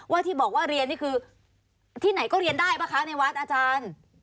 ที่บอกว่าเรียนนี่คือที่ไหนก็เรียนได้ป่ะคะในวัดอาจารย์